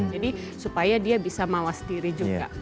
jadi supaya dia bisa mawas diri juga